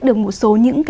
được một số những